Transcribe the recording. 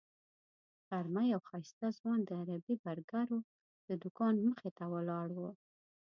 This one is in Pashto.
غرمه یو ښایسته ځوان د عربي برګرو د دوکان مخې ته ولاړ و.